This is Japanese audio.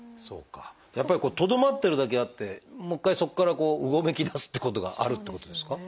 やっぱりとどまってるだけあってもう一回そこからこううごめきだすってことがあるってことですか？